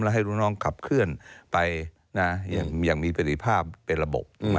และให้ลูกน้องขับเคลื่อนไปนะยังมีปฏิภาพเป็นระบบ